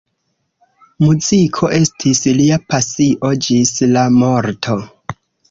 Muziko estis lia pasio ĝis la morto.